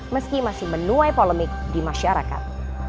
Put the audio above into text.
meski masih menuai polemik di masyarakat